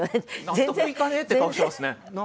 納得いかねえって顔してますね。